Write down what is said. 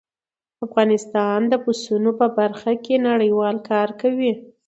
افغانستان د پسونو په برخه کې نړیوال کار کوي.